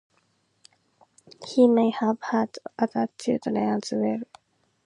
He may have had other children as well.